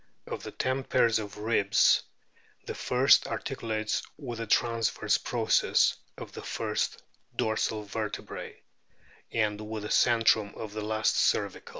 Of the ten pairs of ribs the first articulates with the transverse process of the first dorsal vertebrae, and with the centrum of the last cervical.